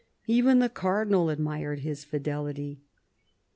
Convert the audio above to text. Even the Cardinal admired his fidelity.